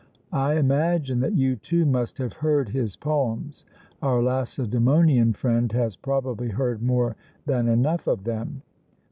I imagine that you, too, must have heard his poems; our Lacedaemonian friend has probably heard more than enough of them.